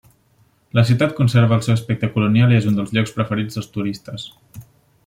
La ciutat conserva el seu aspecte colonial i és un dels llocs preferits dels turistes.